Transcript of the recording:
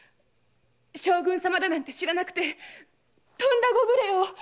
将軍様だなんて知らなくてとんだご無礼を！